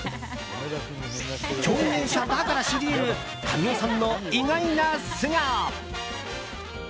共演者だから知り得る神尾さんの意外な素顔。